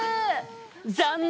残念！